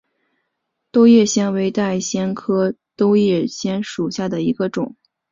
兜叶藓为带藓科兜叶藓属下的一个种。